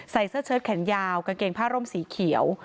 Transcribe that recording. เสื้อเชิดแขนยาวกางเกงผ้าร่มสีเขียว